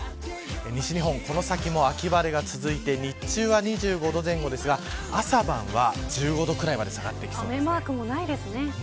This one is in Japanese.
西日本は、この先も秋晴れが続いて日中は２５度前後ですが朝晩は１５度くらいまで雨マークもないですね。